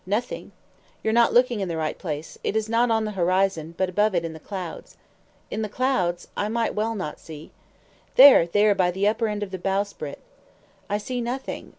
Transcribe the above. "Nothing." "You're not looking in the right place. It is not on the horizon, but above it in the clouds." "In the clouds? I might well not see." "There, there, by the upper end of the bowsprit." "I see nothing."